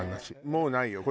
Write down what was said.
もうないよ。